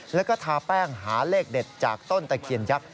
แล้วก็ทาแป้งหาเลขเด็ดจากต้นตะเคียนยักษ์